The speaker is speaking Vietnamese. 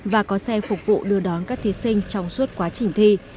và có xe phục vụ đưa đón các thí sinh trong suốt quá trình thi